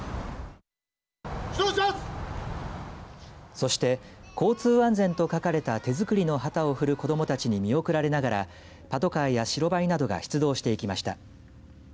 そして交通安全と書かれた手作りの旗を振る子どもたちに見送られながらパトカーや白バイなどが出動していきました。